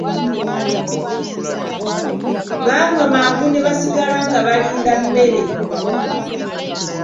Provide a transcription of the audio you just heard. Baanywa mangu ne basigala nga balinda mmere.